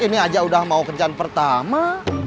ini aja udah mau kerjaan pertama